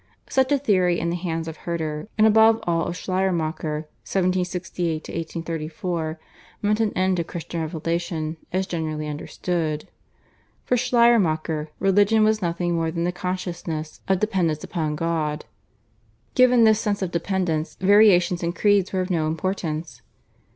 Such a theory in the hands of Herder and above all of Schleiermacher (1768 1834) meant an end to Christian revelation as generally understood. For Schleiermacher religion was nothing more than the consciousness of dependence upon God. Given this sense of dependence, variations in creeds were of no importance.